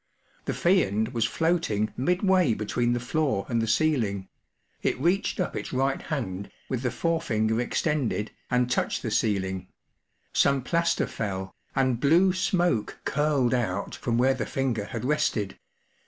The Fiend was floating midway between the floor and the ceiling ; it reached up its right hand, with the forefinger extended, and touched the ceiling; some plaster fell, and blue smoke curled out from where the finger had rested.